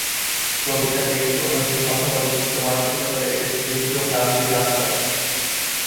কবি তার ব্যক্তি-অনুভূতি অথবা বিশিষ্ট মানসিকতা একে স্নিগ্ধ কান্তি দান করে।